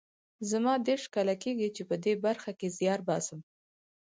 زما دېرش کاله کېږي چې په دې برخه کې زیار باسم